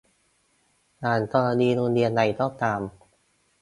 อย่างกรณีโรงเรียนใดก็ตาม